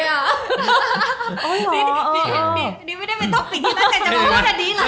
นี่ไม่ได้เป็นท็อปปิคที่ว่าจะได้พูดจะดีอะไรเนี่ย